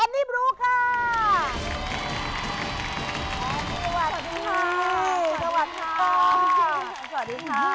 สวัสดีค่ะสวัสดีค่ะ